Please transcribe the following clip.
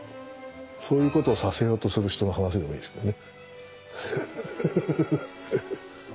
そういうことをさせようとする人の話でもいいですけどね。